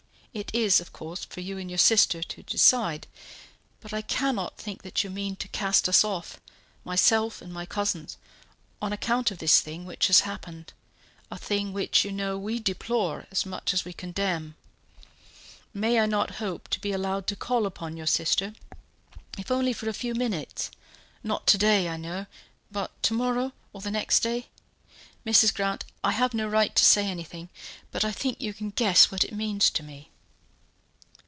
It is, of course, for you and your sister to decide, but I cannot think that you mean to cast us off, myself and my cousins, on account of this thing which has happened, a thing which you know we deplore as much as we condemn. May I not hope to be allowed to call upon your sister, if only for a few minutes? not to day, I know, but to morrow, or the next day? Mrs. Grant, I have no right to say anything; but I think you can guess what it means to me."